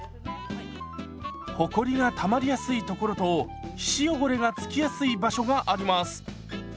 ほこりがたまりやすい所と皮脂汚れがつきやすい場所があります。